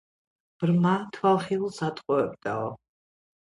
ბრმა, თვალხილულს ატყუებდაო